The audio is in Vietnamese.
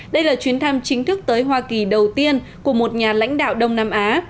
đây là chuyến thăm chính thức tới hoa kỳ đầu tiên của một nhà lãnh đạo đông nam á